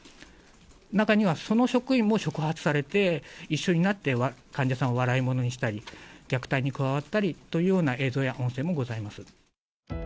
中にはその職員も触発されて、一緒になって患者さんを笑い者にしたり、虐待に加わったりというような映像や音声もございます。